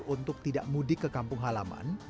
untuk tidak mudik ke kampung halaman